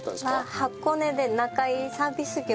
箱根で仲居サービス業を。